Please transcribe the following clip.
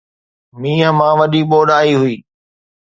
مينهن مان وڏي ٻوڏ آئي هئي